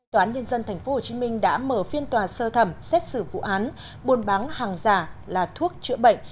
tòa án nhân dân tp hcm đã mở phiên tòa sơ thẩm xét xử vụ án buôn bán hàng giả là thuốc chữa bệnh